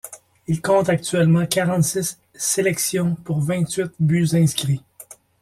Il compte actuellement quarante-six sélections pour vingt-huit buts inscrits.